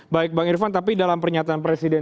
baik bang irvan tapi dalam pernyataan presiden